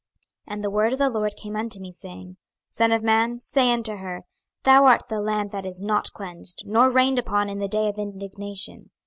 26:022:023 And the word of the LORD came unto me, saying, 26:022:024 Son of man, say unto her, Thou art the land that is not cleansed, nor rained upon in the day of indignation.